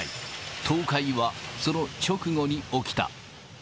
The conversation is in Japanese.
倒壊は、その直後に起きた。